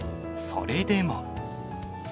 それでも。